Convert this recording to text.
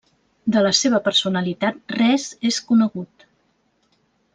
De la seva personalitat res és conegut.